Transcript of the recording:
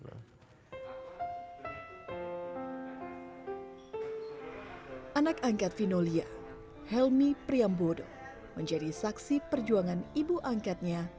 anak angkat vinolia helmi priambodo menjadi saksi perjuangan ibu angkatnya